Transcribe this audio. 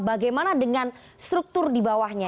bagaimana dengan struktur di bawahnya